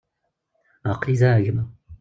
Aql-i da a gma.